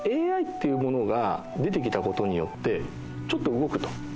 ＡＩっていうものが出てきたことによってちょっと動くと。